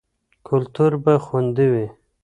کلتور به خوندي وي.